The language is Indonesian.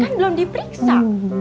kan belum diperiksa